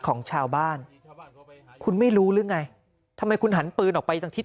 ของชาวบ้านคุณไม่รู้หรือไงทำไมคุณหันปืนออกไปทางทิศ